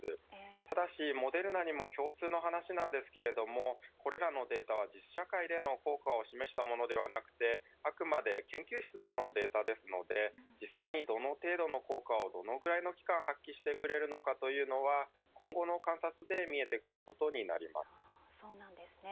ただしモデルナにも共通の話ですがこれらのデータは実社会での効果を示したものではなくてあくまで研究室でのデータですので実際にどの程度の効果をどれくらいの期間発揮してくれるかは今後の観察で見えてくることになります。